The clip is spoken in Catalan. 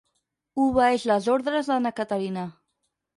Obeeix les ordres de na Caterina.